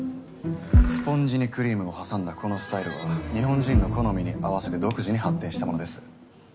スポンジにクリームを挟んだこのスタイルは日本人の好みに合わせて独自に発展したものです。